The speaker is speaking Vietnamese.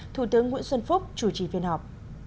thủ tướng nguyễn xuân phúc chủ trì phiên họp